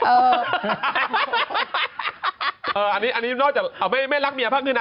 อันนี้นอกจากไม่รักเมียภะคุณ